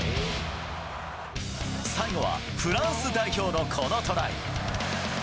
最後はフランス代表のこのトライ。